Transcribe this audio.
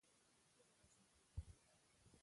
و به غځېږي،